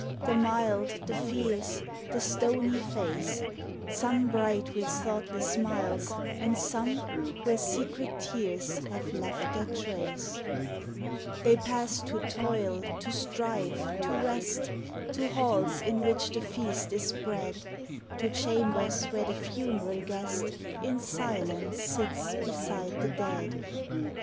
The mild, the fierce, the stony face— 240 POEMS OF SENTIMENT. Some bright with thoughtless smiles, and some Where secret tears have left their trace. They pass to toil, to strife, to rest — To halls in which the feast is spread — To chambers where the funeral guest In silence sits beside the dead.